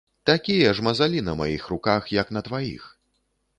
Такія ж мазалі на маіх руках, як на тваіх.